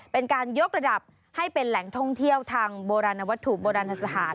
เป็นการยกระดับให้เป็นแหล่งท่องเที่ยวทางโบราณวัตถุโบราณสถาน